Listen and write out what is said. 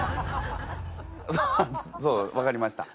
あそう分かりました。